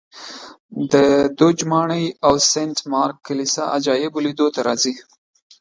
د دوج ماڼۍ او سنټ مارک کلیسا عجایبو لیدو ته راځي